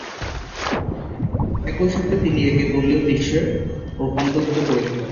একই সাথে তিনি একে দলীয় দৃশ্যে রূপান্তরিত করেছিলেন।